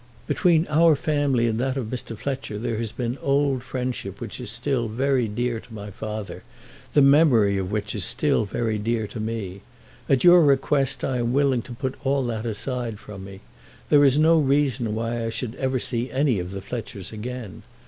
"Between our family and that of Mr. Fletcher there has been old friendship which is still very dear to my father, the memory of which is still very dear to me. At your request I am willing to put all that aside from me. There is no reason why I should ever see any of the Fletchers again.